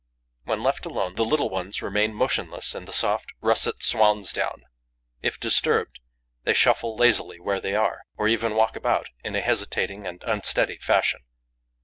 When left alone, the little ones remain motionless in the soft, russet swan's down; if disturbed, they shuffle lazily where they are, or even walk about in a hesitating and unsteady fashion.